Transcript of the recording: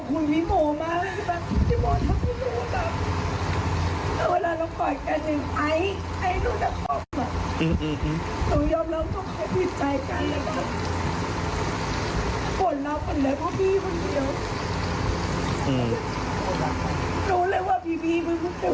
อืม